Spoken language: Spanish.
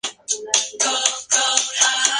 Casualmente se encuentran en Moscú.